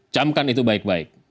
cam kan itu baik baik